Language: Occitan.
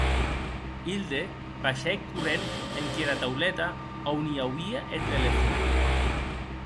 Hilde baishèc corrent enquiara tauleta a on i auie eth telefon.